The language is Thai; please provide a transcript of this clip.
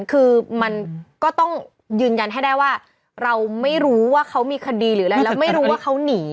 คือมันก็ต้องยืนยันให้ได้ว่าเราไม่รู้ว่าเขามีคดีหรืออะไรแล้วไม่รู้ว่าเขาหนี